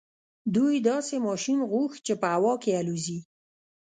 دوی داسې ماشين غوښت چې په هوا کې الوځي.